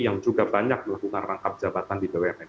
yang juga banyak melakukan rangkap jabatan di bumn